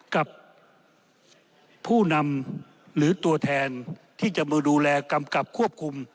กับผู้นำหรือตัวแทนที่จะมาดูแลกำกับควบคุม